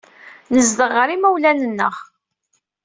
Nezdeɣ ɣer yimawlan-nneɣ.